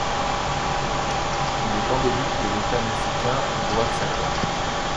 Il est endémique de l'état mexicain d'Oaxaca.